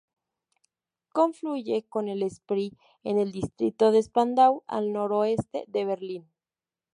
Confluye con el Spree en el distrito de Spandau, al noroeste de Berlín.